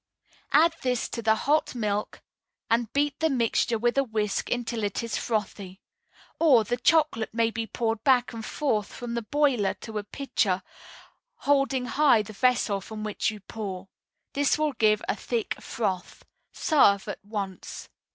Add this to the hot milk, and beat the mixture with a whisk until it is frothy. Or, the chocolate may be poured back and forth from the boiler to a pitcher, holding high the vessel from which you pour. This will give a thick froth. Serve at once.